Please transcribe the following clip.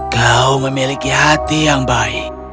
kau memiliki hati yang baik